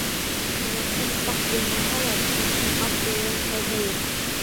Намыҫың пак булмаһа, тышың аҡ булыуҙан файҙа юҡ.